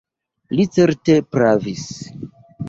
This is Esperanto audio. Li certe pravis.